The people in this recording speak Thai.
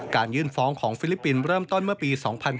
ยื่นฟ้องของฟิลิปปินส์เริ่มต้นเมื่อปี๒๕๕๙